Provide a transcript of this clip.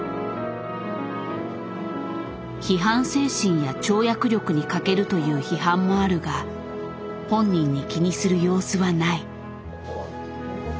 批判精神や跳躍力に欠けるという批判もあるが本人に気にする様子はない。